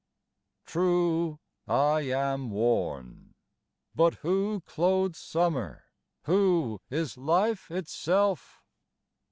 "True, I am worn ; But who clothes summer, who is life itself?